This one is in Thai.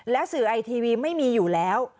สื่อไอทีวีไม่มีอยู่แล้ว